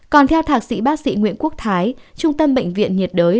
còn theo thạc sĩ bác sĩ nguyễn quốc thái trung tâm bệnh viện nhiệt đới